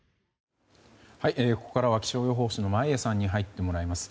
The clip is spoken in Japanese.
ここからは気象予報士の眞家さんに入ってもらいます。